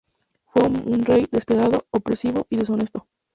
Fue un rey despiadado, opresivo y deshonesto.